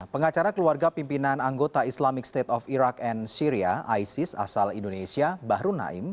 pengacara keluarga pimpinan anggota islamic state of iraq and syria isis asal indonesia bahru naim